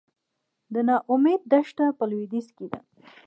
د نا امید دښته په لویدیځ کې ده